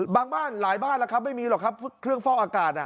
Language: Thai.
บ้านหลายบ้านแล้วครับไม่มีหรอกครับเครื่องฟอกอากาศ